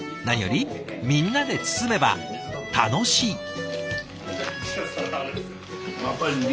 何よりみんなで包めば楽しい。